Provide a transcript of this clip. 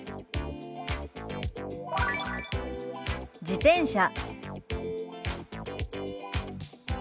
「自転車」。